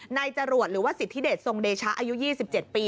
จรวดหรือว่าสิทธิเดชทรงเดชะอายุ๒๗ปี